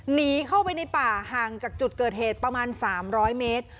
หนีเข้าไปในป่าห่างจากจุดเกิดเหตุประมาณ๓๐๐เมตร